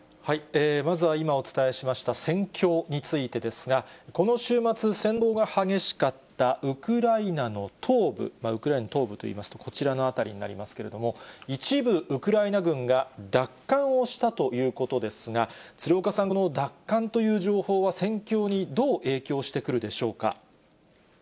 まずは今、お伝えしました戦況についてですが、この週末、戦闘が激しかったウクライナの東部、ウクライナの東部といいますと、こちらの辺りになりますけれども、一部ウクライナ軍が奪還をしたということですが、鶴岡さん、この奪還という情報は戦況にどう影響してくるでしょうか。